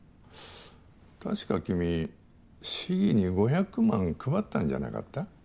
確か君市議に５００万配ったんじゃなかった？